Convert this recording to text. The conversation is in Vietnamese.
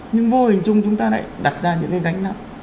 nhưng vô hình chung chúng ta lại đặt ra những cái gánh nặng